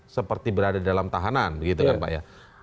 seperti berada dalam tahanan begitu kan pak ya